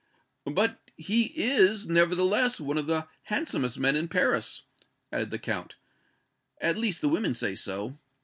"But he is, nevertheless, one of the handsomest men in Paris," added the Count "at least the women say so.